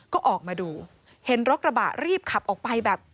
ก็ออกมาดูเห็นรถกระบะรีบขับออกไปแบบ